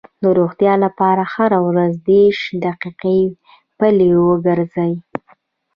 د روغتیا لپاره هره ورځ دېرش دقیقې پلي وګرځئ.